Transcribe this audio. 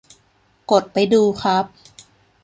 กดไปดูครับ